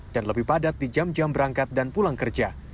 dan lebih padat di jam jam berangkat dan pulang kerja